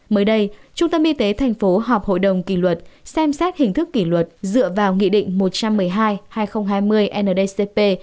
mới đây trung tâm y tế tp họp hội đồng kỷ luật xem xét hình thức kỷ luật dựa vào nghị định một trăm một mươi hai hai nghìn hai mươi ndcp